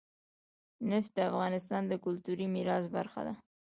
نفت د افغانستان د کلتوري میراث برخه ده.